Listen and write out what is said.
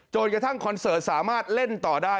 โจทย์กระทั่งคอนเสิร์ตสามารถเล่นต่อได้